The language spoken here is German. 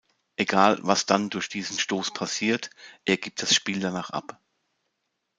Egal was dann durch diesen Stoß passiert, er gibt das Spiel danach ab.